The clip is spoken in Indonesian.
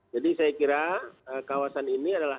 jadi saya kira kawasan ini adalah